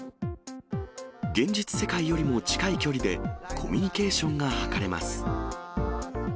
現実世界よりも近い距離で、コミュニケーションが図れます。